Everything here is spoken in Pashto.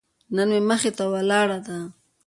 نن مې مخې ته ولاړه ده.